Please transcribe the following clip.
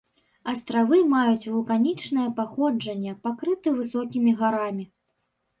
Астравы маюць вулканічнае паходжанне, пакрыты высокімі гарамі.